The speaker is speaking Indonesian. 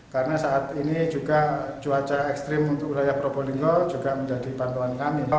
karena saat ini juga cuaca ekstrim untuk wilayah probolinggo juga menjadi pantauan kami